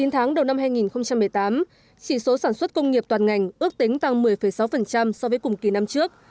chín tháng đầu năm hai nghìn một mươi tám chỉ số sản xuất công nghiệp toàn ngành ước tính tăng một mươi sáu so với cùng kỳ năm trước